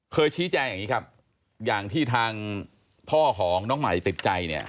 ชี้แจงอย่างนี้ครับอย่างที่ทางพ่อของน้องใหม่ติดใจเนี่ย